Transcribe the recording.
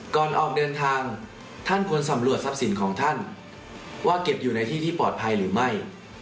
ก่อนออกเดินทางท่านควรสำรวจทรัพย์สินของท่านว่าเก็บอยู่ในที่ที่ปลอดภัยหรือไม่